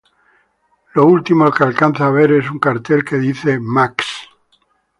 Lo último que alcanza a ver es un cartel que indica: "Max.